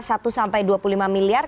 satu sampai dua puluh lima miliar